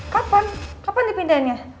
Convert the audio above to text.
kapan kapan dipindahinnya